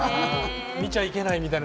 見ちゃいけないみたいな。